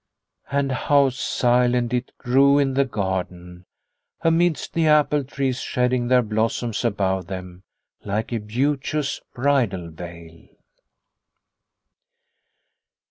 And how silent it grew in the garden, amidst the apple trees shedding their blossoms above them like a beauteous bridal veil.